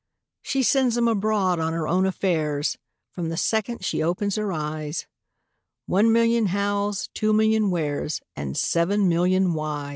She sends 'em abroad on her own affairs, From the second she opens her eyes One million Hows, two million Wheres, And seven million Whys!